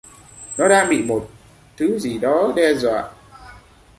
Nó đang bị một thứ gì đó đe dọa